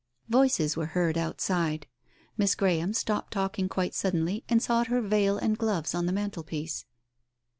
" Voices were heard outside. Miss Graham stopped talking quite suddenly, and sought her veil and gloves on the mantelpiece.